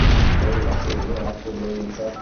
Aveva sede a Coblenza.